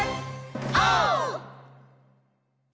オー！